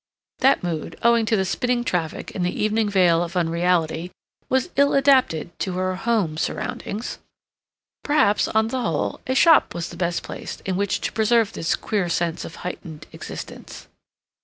That mood, owing to the spinning traffic and the evening veil of unreality, was ill adapted to her home surroundings. Perhaps, on the whole, a shop was the best place in which to preserve this queer sense of heightened existence.